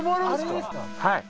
はい。